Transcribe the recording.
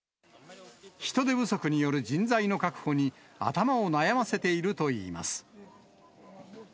人手不足による人材の確保に、頭を悩ませているといいます。